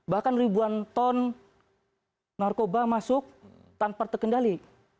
bahkan ribuan ton narkoba masuk tanpa terkendali